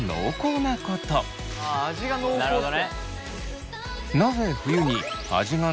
なるほどね。